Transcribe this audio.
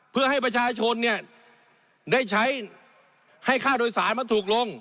เพื่อให้ประชาชนเนี่ยได้ใช้ให้ค่าโดยสารมันถูกลง